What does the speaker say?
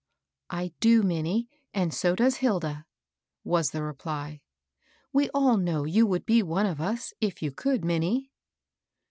^^ I do Minnie ; and so does Hilda," was the reply. " We all know you would be one of us, if you could, Minnie."